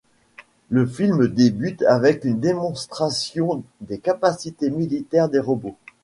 Le film débute avec une démonstration des capacités militaires des robots.